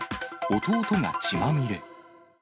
弟が血まみれ。